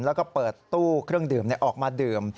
แล้วก็เปิดตู้เครื่องดื่มออกมาดื่ม